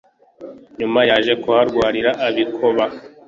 nyuma yaje kuharwarira ibikoba